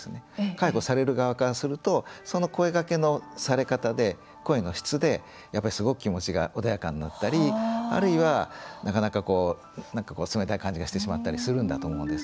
介護される側からするとその声がけのされ方で声の質で、やっぱりすごく気持ちが穏やかになったりあるいは、なかなかなんか冷たい感じがしてしまったりするんだと思うんです。